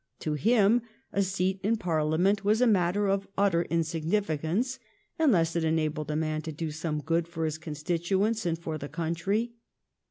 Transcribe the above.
To him a seat in Parliament was a matter of utter insignifi cance unless it enabled a man to do some good for his constituents and for the country.